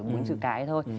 mình chữ cái thôi